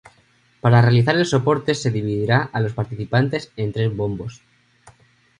Para realizar el sorteo se dividirá a los participantes en tres bombos.